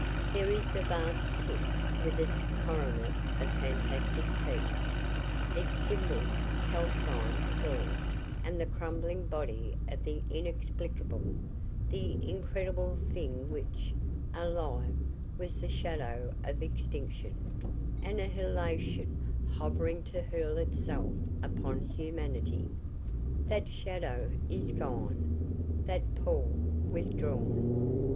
There is the vast pit with its coronet of fantastic peaks; its symboled, calcined floor and the crumbling body of the inexplicable, the incredible Thing which, alive, was the shadow of extinction, annihilation, hovering to hurl itself upon humanity. That shadow is gone; that pall withdrawn.